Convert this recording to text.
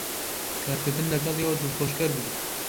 کارکردن لەگەڵ ئێوە دڵخۆشکەر بوو.